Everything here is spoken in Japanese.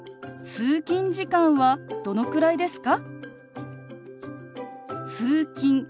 通勤時間はどのくらいですか？